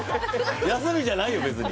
休みじゃないよ、別に。